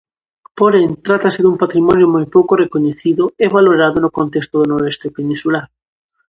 Porén, trátase dun patrimonio moi pouco recoñecido e valorado no contexto do noroeste peninsular.